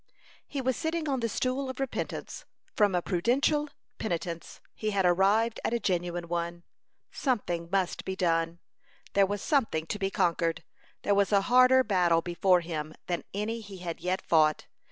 He was sitting on the stool of repentance. From a prudential penitence he had arrived at a genuine one. Something must be done. There was something to be conquered. There was a harder battle before him than any he had yet fought.